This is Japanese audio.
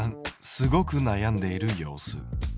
すごく悩んでいる様子。